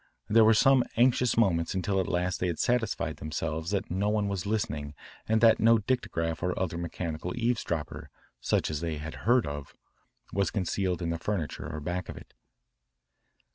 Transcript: There were some anxious moments until at last they had satisfied themselves that no one was listening and that no dictograph or other mechanical eavesdropper, such as they had heard of, was concealed in the furniture or back of it.